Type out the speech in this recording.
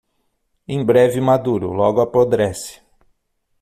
Em breve maduro, logo apodrece.